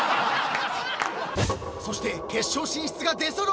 ［そして決勝進出が出揃う！］